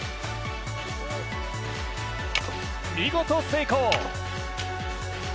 見事、成功！